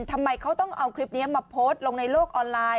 ทำไมเขาต้องเอาคลิปนี้มาโพสต์ลงในโลกออนไลน์